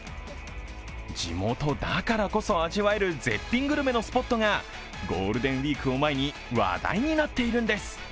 地元だからこそ味わえる絶品グルメのスポットがゴールデンウイークを前に話題になっているんです。